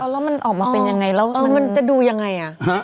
แล้วมันออกมาเป็นยังไงแล้วมันจะดูยังไง